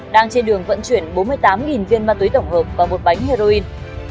đang trên đường vận chuyển bốn mươi tám viên ma túy tổng hợp và một bánh heroin